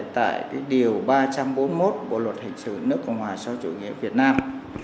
tại điều ba trăm bốn mươi một bộ luật hình sử nước cộng hòa so với chủ nghĩa việt nam